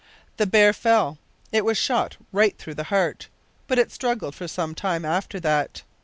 The bear fell. It was shot right through the heart, but it struggled for some time after that.